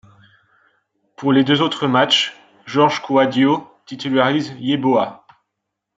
Pour les deux autres matchs, Georges Kouadio titularise Yeboah.